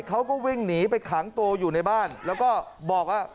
เขาก็วิ่งหนีไปขังตัวอยู่ในบ้านแล้วก็บอกว่า